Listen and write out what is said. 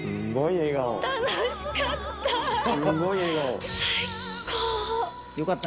楽しかった。